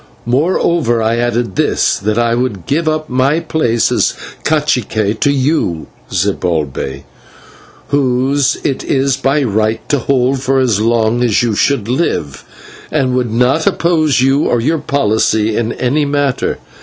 Moreover, I added this, that I would give up my place as /cacique/ to you, Zibalbay, whose it is by right, to hold for so long as you should live, and would not oppose you or your policy in any matter.